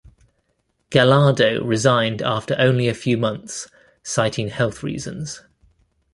Gallardo resigned after only a few months, citing health reasons.